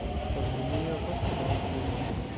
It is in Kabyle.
Xedmen-iyi aṭas n tɣawsiwin.